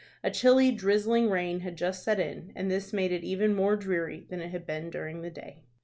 A chilly, drizzling rain had just set in, and this made it even more dreary than it had been during the day.